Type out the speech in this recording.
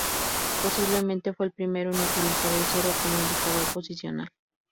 Posiblemente fue el primero en utilizar el cero como indicador posicional.